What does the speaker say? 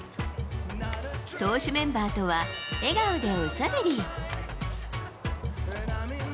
投手メンバーとは、笑顔でおしゃべり。